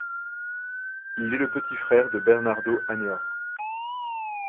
Il est le petit frère de Bernardo Añor.